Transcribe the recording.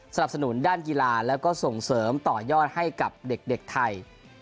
สนุนด้านกีฬาแล้วก็ส่งเสริมต่อยอดให้กับเด็กไทย